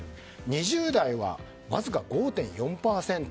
２０代はわずか５．４％。